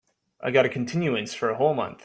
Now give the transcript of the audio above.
I got a continuance for a whole month.